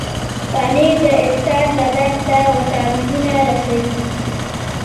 پنېر د انسان بدن ته وټامنونه رسوي.